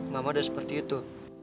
mama udah seperti itu